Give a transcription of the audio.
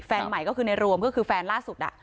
แฟนใหม่ก็คือในรวมก็คือแฟนล่าสุด